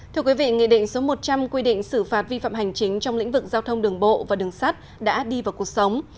thưa quý vị nghị định số một trăm linh quy định xử phạt vi phạm hành chính trong lĩnh vực giao thông đường bộ và đường sắt đã đi vào cuộc sống